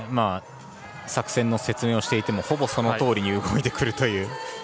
作戦の説明をしていてもほぼ、そのとおりに動いてくる。